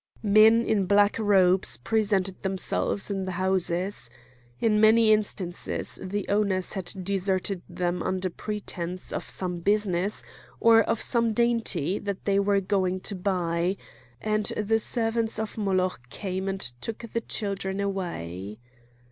Men in black robes presented themselves in the houses. In many instances the owners had deserted them under pretence of some business, or of some dainty that they were going to buy; and the servants of Moloch came and took the children away.